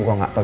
gue gak tau